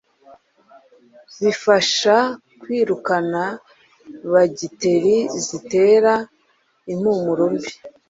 bifasha kwirukana bagiteri zitera impumuro mbi.